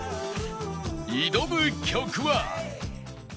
挑む曲は